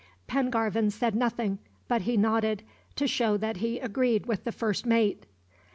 Pengarvan said nothing, but he nodded, to show that he agreed with the first mate.